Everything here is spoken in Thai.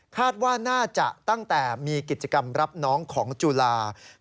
คาดว่าน่าจะตั้งแต่มีกิจกรรมรับน้องของจุฬา